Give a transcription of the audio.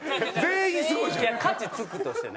価値付くとしてね。